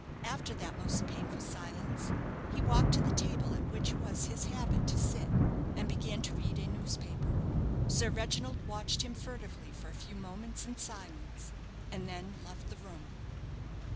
After that most painful silence, he walked to the table at which it was his habit to sit, and began to read a newspaper. Sir Reginald watched him furtively for a few moments in silence, and then left the room.